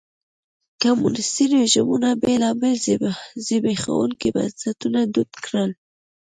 کمونیستي رژیمونو بېلابېل زبېښونکي بنسټونه دود کړل.